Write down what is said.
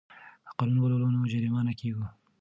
که قانون ولولو نو جریمه نه کیږو.